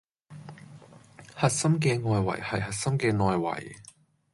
核心嘅外圍係核心嘅內圍